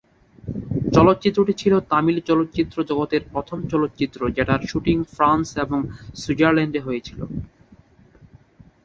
চলচ্চিত্রটি ছিলো তামিল চলচ্চিত্র জগতের প্রথম চলচ্চিত্র যেটার শুটিং ফ্রান্স এবং সুইজারল্যান্ডে হয়েছিলো।